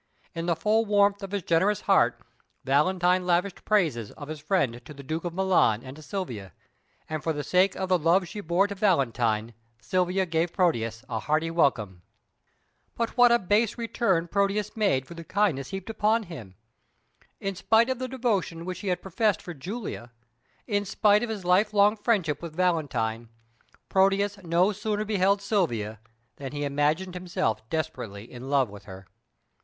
In the full warmth of his generous heart, Valentine lavished praises of his friend to the Duke of Milan and to Silvia, and for the sake of the love she bore to Valentine Silvia gave Proteus a hearty welcome. But what a base return Proteus made for the kindness heaped on him! In spite of the devotion which he had professed for Julia, in spite of his lifelong friendship with Valentine, Proteus no sooner beheld Silvia than he imagined himself desperately in love with her.